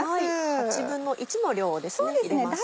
１／８の量で入れました。